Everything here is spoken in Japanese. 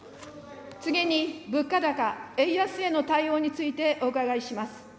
次に物価高・円安への対応についてお伺いします。